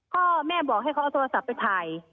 พ่อแม่บอกให้เขาเอาโทรศัพท์ไปถ่าย